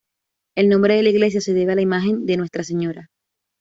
El nombre de la iglesia se debe a la imagen de Nuestra Sra.